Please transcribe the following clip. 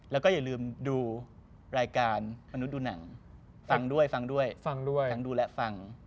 แล้วก็อย่าลืมดูรายการมนุษย์ดูหนังฟังด้วยฟังดูและฟัง